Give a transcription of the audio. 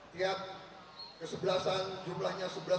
tiap kesebelasan jumlahnya sebelah